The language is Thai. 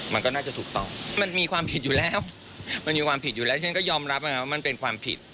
มันก็น่าจะถูกต้องมันมีความผิดอยู่แล้วมันมีความผิดอยู่แล้ว